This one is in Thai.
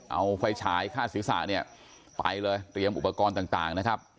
เอาไฟฉายฆ่าศีรษะเนี่ยไปเลยเตรียมอุปกรณ์ต่างนะครับ